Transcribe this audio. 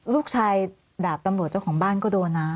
ลูกชายดาบตำรวจเจ้าของบ้านก็โดนนะ